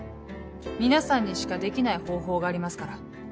皆さんにしかできない方法がありますから。